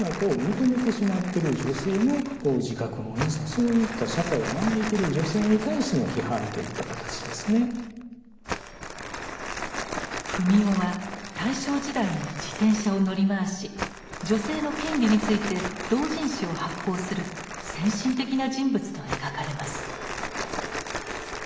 一度書いたものを消してまた新たに書いているということで文緒は大正時代に自転車を乗り回し女性の権利について同人誌を発行する先進的な人物と描かれます。